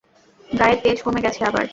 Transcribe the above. গায়ের তেজ কমে গেছে আবার!